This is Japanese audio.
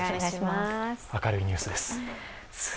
明るいニュースです。